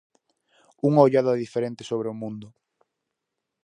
Unha ollada diferente sobre o mundo.